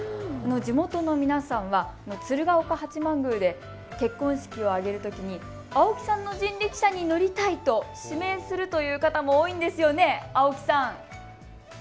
地元の皆さんは鶴岡八幡宮で結婚式を挙げるときに青木さんの人力車に乗りたいと指名するという方も多いんですよね。